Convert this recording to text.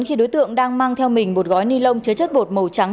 khi đối tượng đang mang theo mình một gói ni lông chứa chất bột màu trắng